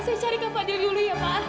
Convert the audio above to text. saya cari kak fadil dulu ya pak